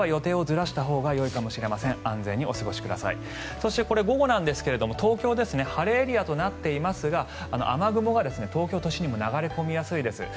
そして、午後なんですが東京晴れエリアとなっていますが雨雲が東京都心にも流れ込みやすいです。